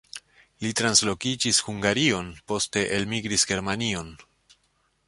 Li translokiĝis Hungarion, poste elmigris Germanion.